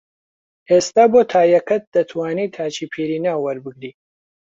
ئێستا بۆ تایەکەت دەتوانی تاچیپیرینا وەربگری